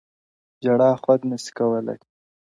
ژړا خــود نــــه ســـــــې كـــــــولاى.!